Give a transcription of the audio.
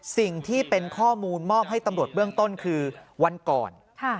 สิ่งที่เป็นข้อมูลมอบให้ตำรวจเบื้องต้นคือวันก่อน